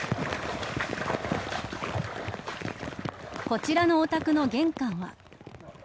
こちらのお宅の玄関は。